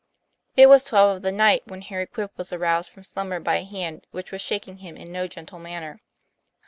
It was twelve of the night, when Harry Quip was aroused from slumber by a hand which was shaking him in no gentle manner.